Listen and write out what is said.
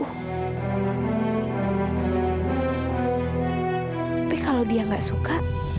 tapi kalau dia nggak suka